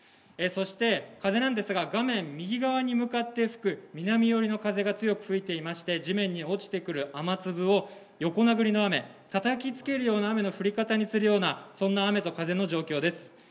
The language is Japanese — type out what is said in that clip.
そして風なんですが、画面右側に向かって吹く南寄りの風が強く吹いてまして、地面に落ちてくる雨粒を横殴りの雨、叩きつけるような雨にするような、そんな雨と風の状況です。